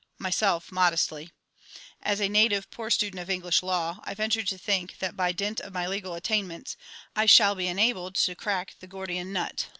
Myself (modestly). As a native poor student of English law, I venture to think that, by dint of my legal attainments, I shall be enabled to crack the Gordian nut.